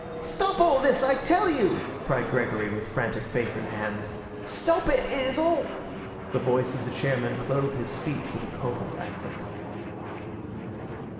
"Stop all this, I tell you!" cried Gregory, with frantic face and hands. "Stop it, it is all—" The voice of the chairman clove his speech with a cold accent.